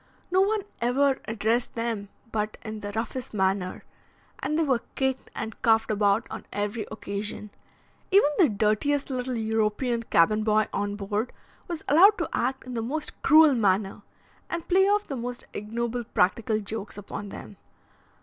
No one ever addressed them but in the roughest manner, and they were kicked and cuffed about on every occasion; even the dirtiest little European cabin boy on board was allowed to act in the most cruel manner, and play off the most ignoble practical jokes upon them.